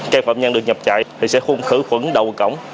can phạm nhân được nhập trại thì sẽ khung khử khuẩn đầu cổng